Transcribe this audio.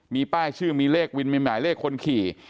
มีป้ายชื่อมีเลขวินมีหมายเลขคนขี่